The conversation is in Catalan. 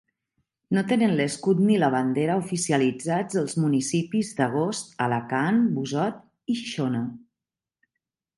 No tenen l'escut ni la bandera oficialitzats els municipis d'Agost, Alacant, Busot i Xixona.